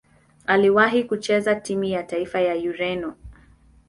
Aliwahi kucheza timu ya taifa ya Ureno.